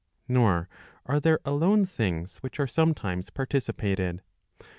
Nor are there alone things which are sometimes participated.